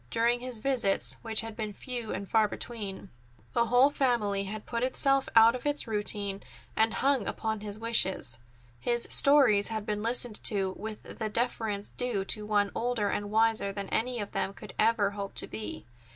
During his visits, which had been few and far between, the whole family had put itself out of its routine, and hung upon his wishes. His stories had been listened to with the deference due to one older and wiser than any of them could ever hope to be.